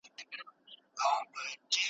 وه يې سر ته ناسته حوره دى بيده و